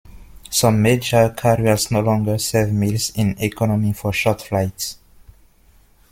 Some major carriers no longer serve meals in economy for short flights.